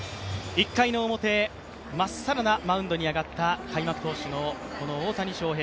１回の表、まっさらなマウンドに上がった開幕投手の、この大谷翔平。